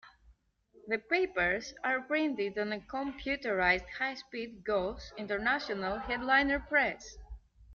The papers are printed on a computerized high-speed Goss International Headliner press.